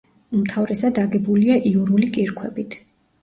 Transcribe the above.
უმთავრესად აგებულია იურული კირქვებით.